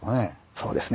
そうですね。